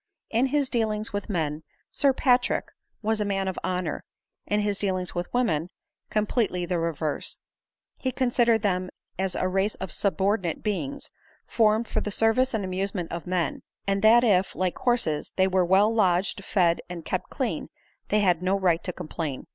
In his dealings with men, Sir Patrick was a man of honor; in his dealings with women, completely the reverse ; he considered them as a race of subordinate beings, formed for the service and amusement of men ; and that if, like horses, they were well lodged, fed, and kept clean, they had no right to complain.